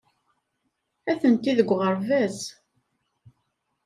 Atenti deg uɣerbaz.